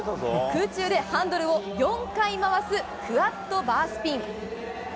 空中でハンドルを４回回すクアッドバースピン。